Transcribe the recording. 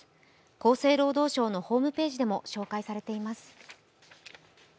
厚生労働省のホームページでも紹介されています。